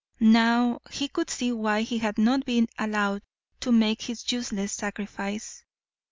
Now he could see why he had not been allowed to make his useless sacrifice.